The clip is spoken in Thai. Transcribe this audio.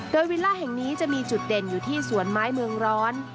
โดยวิลล่าแห่งนี้จะมีจุดเด่นอยู่ที่สวนไม้เมืองร้อน